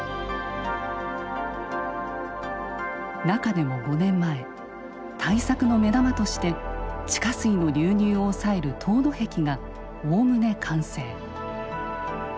中でも５年前対策の目玉として地下水の流入を抑える凍土壁がおおむね完成。